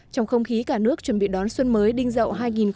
trong không khí cả nước chuẩn bị đón xuân mới đinh dậu hai nghìn một mươi bảy